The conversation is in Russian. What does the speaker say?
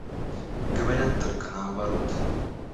Говорят только наоборот.